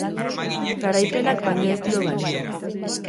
Garaipenak baino ez dio balio.